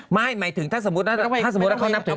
ไม่หมายถึงถ้าสมมุติว่าเขานับถึง